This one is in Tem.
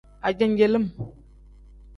Ajenjelim.